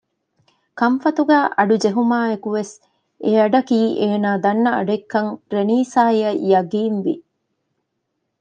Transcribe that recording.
ކަންފަތުގައި އަޑު ޖެހުމާއިއެކު ވެސް އެއަޑަކީ އޭނާ ދަންނަ އަޑެއްކަން ރެނީސާއަށް ޔަގީންވި